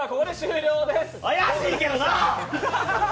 怪しいけどな！